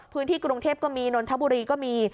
พื้นที่กรุงเทพก็มีนนทบุรีก็มี